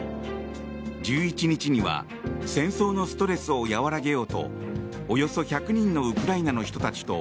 １１日には戦争のストレスを和らげようとおよそ１００人のウクライナの人たちと